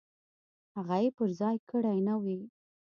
هغه یې پر ځای کړې نه وي.